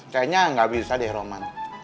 kayaknya nggak bisa deh roman